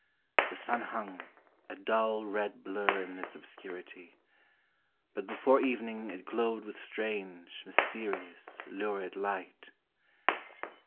The sun hung, a dull red blur in this obscurity ; but before evening it glowed with strange, mysterious, lurid light.